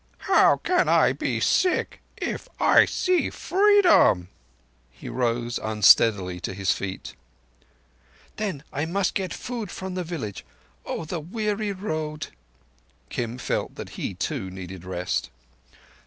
"How can I be sick if I see Freedom?" He rose unsteadily to his feet. "Then I must get food from the village. Oh, the weary Road!" Kim felt that he too needed rest.